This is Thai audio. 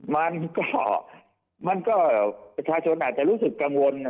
มันก็มันก็ประชาชนอาจจะรู้สึกกังวลไง